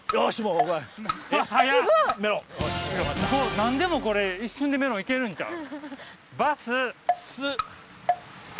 なんでもこれ一瞬でメロンいけるんちゃう？